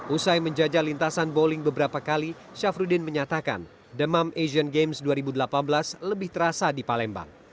usai menjajah lintasan bowling beberapa kali syafruddin menyatakan demam asian games dua ribu delapan belas lebih terasa di palembang